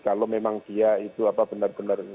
kalau memang dia itu apa benar benar